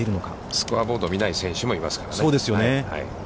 スコアボードを見ない選手もいますからね。